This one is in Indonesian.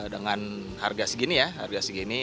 dengan harga segini ya harga segini